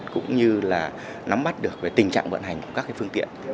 cũng như là nắm bắt được về tình trạng vận hành của các phương tiện